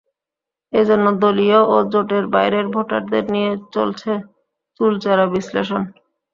এ জন্য দলীয় ও জোটের বাইরের ভোটারদের নিয়ে চলছে চুলচেরা বিশ্লেষণ।